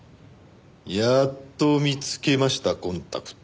やっと見つけましたコンタクト。